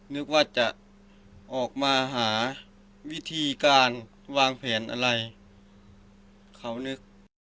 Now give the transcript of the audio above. นึกว่าจะออกมาหาวิธีการวางแผนอะไรเขานึก